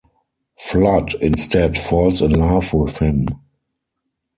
Flood instead falls in love with him.